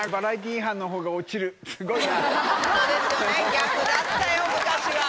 逆だったよ昔は。